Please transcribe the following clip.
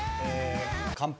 「乾杯」